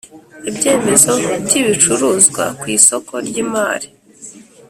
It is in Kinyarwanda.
Ibyemezo by ibicuruzwa ku isoko ry imari